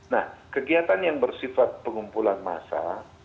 nah kegiatan yang bersifat pengumpulan massa